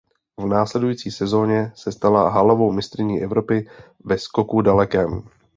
V následující sezóně se stala halovou mistryní Evropy ve skoku dalekém.